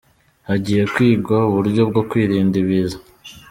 Hagiye kwigwa uburyo bwo kwirinda ibiza